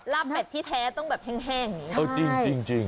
รับแบบที่แท้ต้องแห้งอย่างนี้